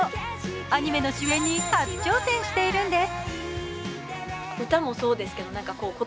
アニメの主演に初挑戦しているんです。